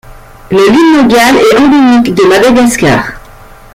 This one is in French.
Le limnogale est endémique de Madagascar.